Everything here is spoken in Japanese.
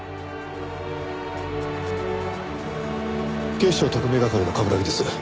警視庁特命係の冠城です。